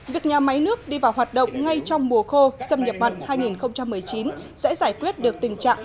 việc nhà máy nước đi vào hoạt động ngay trong mùa khô xâm nhập mặn hai nghìn một mươi chín sẽ giải quyết được tình trạng